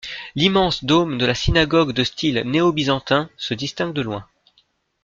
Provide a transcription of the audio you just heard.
L'immense dôme de la synagogue de style néo-byzantin, se distingue de loin.